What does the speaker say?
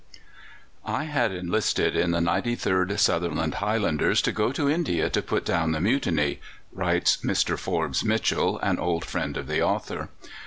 "I had enlisted in the 93rd Sutherland Highlanders to go to India to put down the Mutiny," writes Mr. Forbes Mitchell, an old friend of the author.